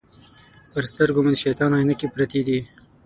پر سترګو مو د شیطان عینکې پرتې دي.